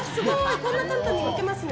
こんな簡単にむけますね。